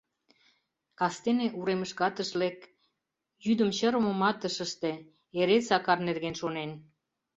Кастене уремышкат ыш лек, йӱдым чыр омымат ыш ыште, эре Сакар нерген шонен.